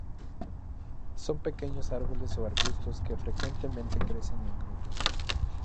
Son pequeños árboles o arbustos que frecuentemente crecen en grupos.